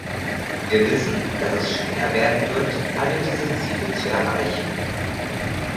Wir wissen, dass es schwer werden wird, alle diese Ziele zu erreichen.